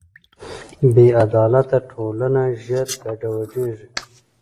بېعدالته ټولنه ژر ګډوډېږي.